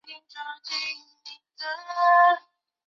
为此他立了一块纪念碑。